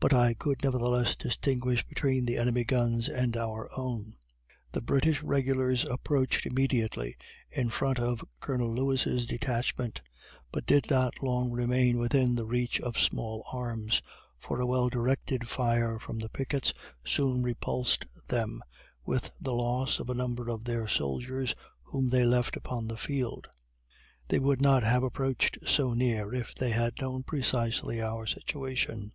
But I could, nevertheless, distinguish between the enemies guns and our own. The British regulars approached immediately in front of Colonel Lewis' detachment, but did not long remain within the reach of small arms, for a well directed fire from the pickets soon repulsed them, with the loss of a number of their soldiers whom they left upon the field. They would not have approached so near if they had known precisely our situation.